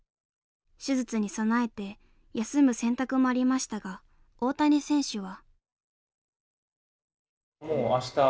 手術に備えて休む選択もありましたが大谷選手は。